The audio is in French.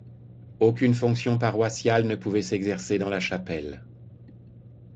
Aucune fonction paroissiale ne pouvait s'exercer dans la chapelle.